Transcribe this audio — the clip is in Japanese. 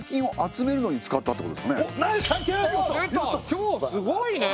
今日すごいね。